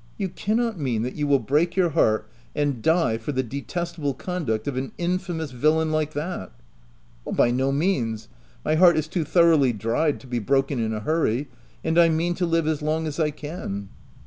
" You cannot mean that you will break your heart and die for the detestible conduct of an infamous villain like that !"? By no means : my heart is too thoroughly dried to be broken in a hurry, and I mean to live as long as I can."